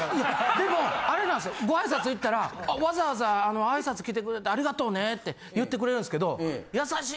でもあれなんっすよご挨拶行ったら「わざわざ挨拶きてくれてありがとうね」って言ってくれるんっすけど。